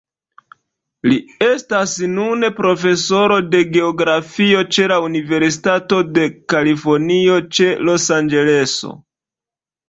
Li estas nune Profesoro de Geografio ĉe la Universitato de Kalifornio ĉe Los-Anĝeleso.